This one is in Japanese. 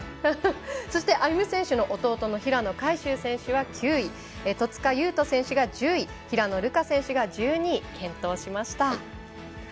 そして歩夢選手の弟の平野海祝選手は９位戸塚優斗選手が１０位平野流佳選手が１２位健闘しました。